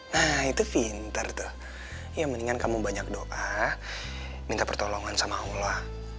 nah itu pinter tuh yang mendingan kamu banyak doa minta pertolongan sama allah